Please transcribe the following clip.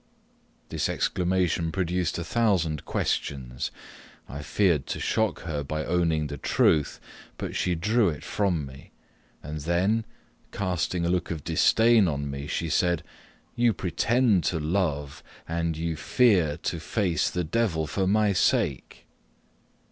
This exclamation produced a thousand questions. I feared to shock her by owning the truth, but she drew it from me; and then, casting a look of disdain on me, she said "You pretend to love, and you fear to face the Devil for my sake!"